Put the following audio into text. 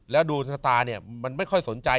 แล้วดวงราศรีกรุมเนี่ยมันไม่ค่อยสนใจ